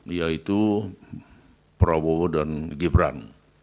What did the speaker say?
yaitu prabowo dan gibran